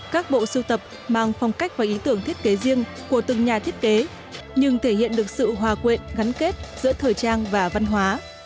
các bộ sưu tập mang phong cách và ý tưởng thiết kế riêng của từng nhà thiết kế nhưng thể hiện được sự hòa quện gắn kết giữa thời trang và văn hóa